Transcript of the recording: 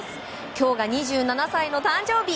今日が２７歳の誕生日！